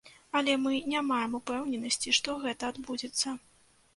Але мы не маем упэўненасці, што гэта адбудзецца.